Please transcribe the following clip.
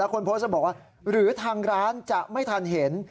คนโพสต์ก็บอกว่าหรือทางร้านจะไม่ทันเห็น